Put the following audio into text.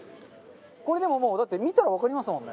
これでももうだって見たらわかりますもんね。